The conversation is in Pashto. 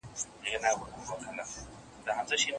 څوك به راسي د ايوب سره ملګري